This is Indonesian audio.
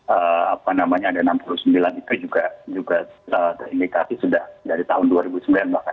apa namanya ada enam puluh sembilan itu juga terindikasi sudah dari tahun dua ribu sembilan bahkan